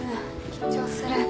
緊張する。